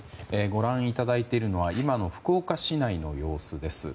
ご覧いただいているのは今の福岡市内の様子です。